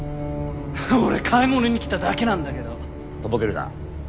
俺買い物に来ただけなんだけど。とぼけるな。